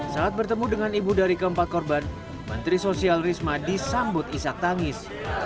saat bertemu dengan ibu dari keempat korban menteri sosial risma disambut isak tangis